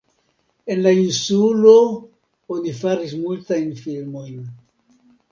En la insulo oni faris multajn filmojn.